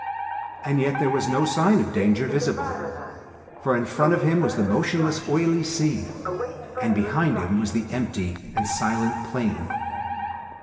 And yet there was no sign of danger visible, for in front of him was the motionless oily sea, and behind him was the empty and silent plain.